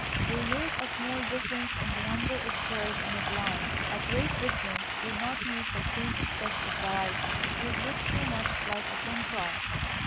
They make a small difference in the number of curves and of lines. A great difference would not make the same effect of variety; it would look too much like a contrast.